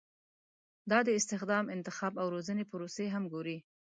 دا د استخدام، انتخاب او روزنې پروسې هم ګوري.